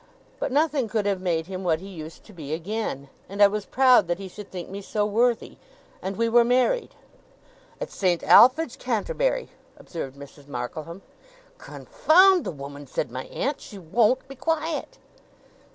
But nothing could have made him what he used to be again; and I was proud that he should think me so worthy, and we were married.' ' At Saint Alphage, Canterbury,' observed Mrs. Markleham. ['Confound the woman!' said my aunt, 'she WON'T be quiet!